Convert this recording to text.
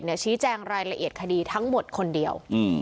ชี้แจงรายละเอียดคดีทั้งหมดคนเดียว